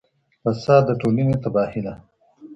فساد د ټولني تباهي ده.